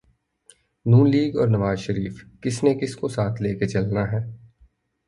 نون League اور نوازشریف کس نے کس کو ساتھ لے کے چلنا ہے۔